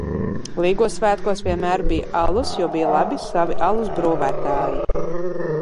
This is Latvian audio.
Līgo svētkos vienmēr bija alus, jo bija labi savi alus brūvētāji.